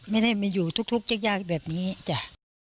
ไม่ได้มาอยู่ทุกยากแบบนี้จ้ะ